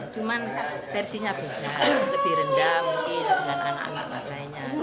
cuma versinya bisa lebih rendah mungkin dengan anak anak lainnya